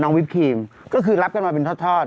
น้องวิฟท์ครีมก็คือรับกันมาเป็นทอด